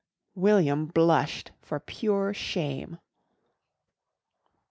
William blushed for pure shame.